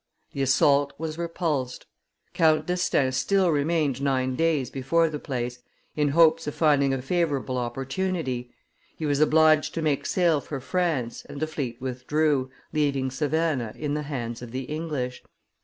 The assault was repulsed. Count D'Estaing still remained nine days before the place, in hopes of finding a favorable opportunity; he was obliged to make sail for France, and the fleet withdrew, leaving Savannah in the hands of the English.